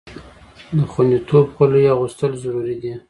د خوندیتوب خولۍ اغوستل ضروري دي.